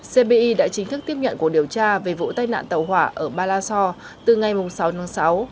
cbi đã chính thức tiếp nhận cuộc điều tra về vụ tai nạn tàu hỏa ở malaso từ ngày sáu tháng sáu